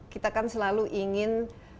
kita kan selalu ingin